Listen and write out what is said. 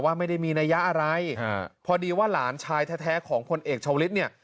ไม่ได้มีนัยยะอะไรพอดีว่าหลานชายแท้ของพลเอกชาวลิศเนี่ย